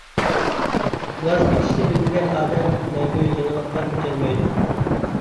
ۋاز كېچىشنى بىلمىگەن ئادەم مەڭگۈ يېڭىلىققا كۆچەلمەيدۇ.